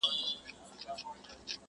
ذخیرې مي کړلې ډیري شین زمری پر جنګېدمه.!